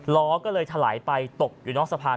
ล้อก็เลยถลายไปตกอยู่นอกสะพาน